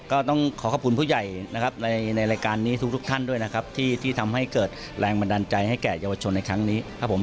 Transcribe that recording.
ก็ต้องขอขอบคุณผู้ใหญ่นะครับในรายการนี้ทุกท่านด้วยนะครับที่ทำให้เกิดแรงบันดาลใจให้แก่เยาวชนในครั้งนี้ครับผม